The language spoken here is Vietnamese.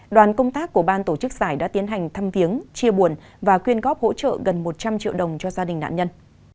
đoàn công tác của ban tổ chức giải đã tiến hành thăm viếng chia buồn và quyên góp hỗ trợ gần một trăm linh triệu đồng cho gia đình nạn nhân